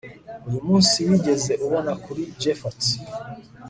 uyu munsi wigeze ubona kuri japhet